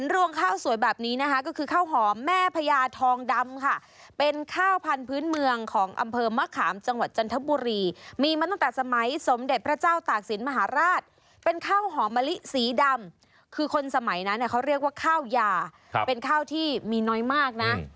เรียกว่าข้าวยาเป็นข้าวที่มีน้อยมากนะ